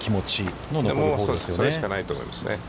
それしかないと思いますね。